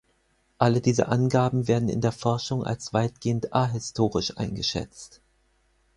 Alle diese Angaben werden in der Forschung als weitgehend ahistorisch eingeschätzt.